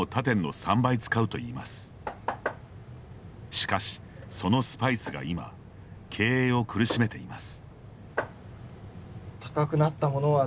しかし、そのスパイスが今経営を苦しめています。